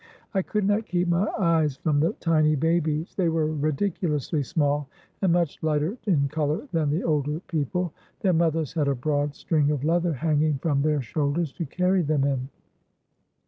I could not keep my eyes from the tiny babies. They were ridiculously small, and much lighter in color than the older people. Their mothers had a broad string of leather hanging from their shoulders to carry them in.